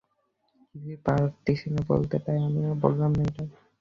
তিনি ইসলামের পরিপূর্ণতা দানকারী একজন উম্মতি নবী হিসেবেও নিজেকে দাবী করেন।